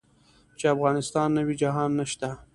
چې افغانستان نه وي جهان نشته.